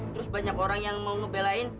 terus banyak orang yang mau ngebelain